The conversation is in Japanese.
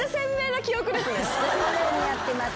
鮮明にやってます。